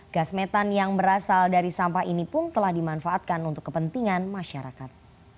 gas metan yang berasal dari sampah ini pun telah dimanfaatkan untuk kepentingan masyarakat